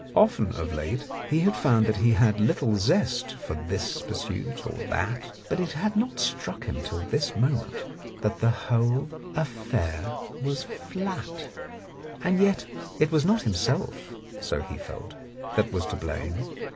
Often of late he had found he had little zest for this pursuit or tfiat, but it had not struck him till this moment that the whole affair was flat. And yet it was not himself, so he felt, that was to blame.